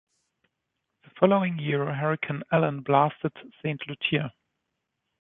The following year Hurricane Allen blasted Saint Lucia.